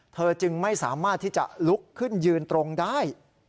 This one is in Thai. จึงไม่สามารถที่จะลุกขึ้นยืนตรงได้